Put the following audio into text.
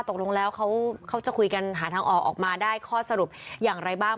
ตกลงแล้วเขาจะคุยกันหาทางออกออกมาได้ข้อสรุปอย่างไรบ้าง